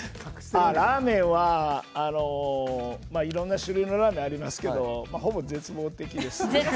ラーメンはいろんな種類のラーメンがありますけどほぼ絶望的です。